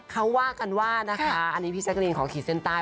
เขาว่ากันว่านะคะอันนี้พี่แจ๊กรีนขอขีดเส้นใต้